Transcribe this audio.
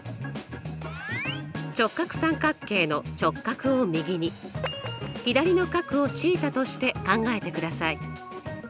直角三角形の直角を右に左の角をθとして考えてください。